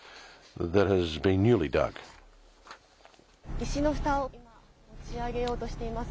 石のふたを、今、持ち上げようとしています。